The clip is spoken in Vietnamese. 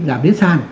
giảm đến sàn